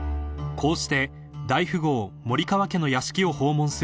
［こうして大富豪森川家の屋敷を訪問する麗子］